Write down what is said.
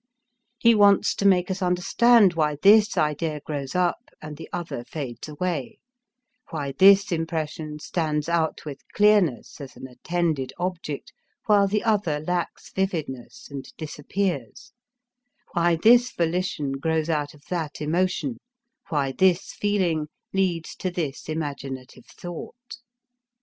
He wants to make us understand why this idea grows up and the other fades away, why this impression stands out with clearness as an attended object while the other lacks vividness and disappears, why this volition grows out of that emotion, why this feeling leads to this imaginative thought.